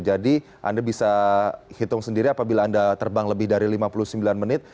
jadi anda bisa hitung sendiri apabila anda terbang lebih dari lima puluh sembilan menit